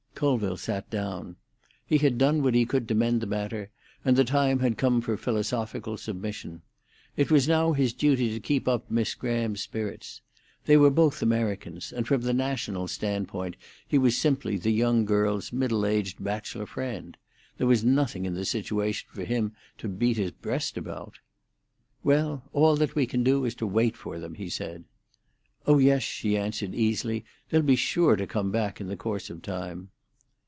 Colville sat down. He had done what he could to mend the matter, and the time had come for philosophical submission. It was now his duty to keep up Miss Graham's spirits. They were both Americans, and from the national standpoint he was simply the young girl's middle aged bachelor friend. There was nothing in the situation for him to beat his breast about. "Well, all that we can do is to wait for them," he said. "Oh yes," she answered easily. "They'll be sure to come back in the course of time."